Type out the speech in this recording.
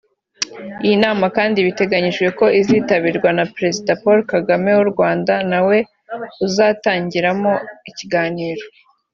Iyi nama kandi biteganijwe ko izanitabirwa na Perezida Paul Kagame w’u Rwanda na we uzayitangamo ikiganiro